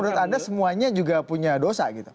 karena menurut anda semuanya juga punya dosa gitu